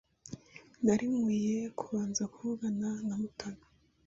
Nari nkwiye kubanza kuvugana na Mutoni.